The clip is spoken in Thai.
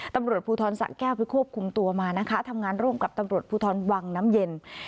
ตำรวจภูทรสะแก้วไปควบคุมตัวมานะคะทำงานร่วมกับตำรวจภูทรวังน้ำเย็น